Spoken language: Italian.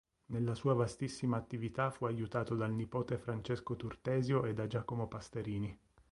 Nella sua vastissima attività fu aiutato dal nipote Francesco Turtesio e da Giacomo Pasterini.